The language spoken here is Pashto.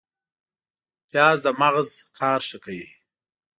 پیاز د مغز کار ښه کوي